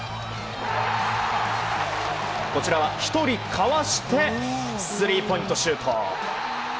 こちらは１人かわしてスリーポイントシュート。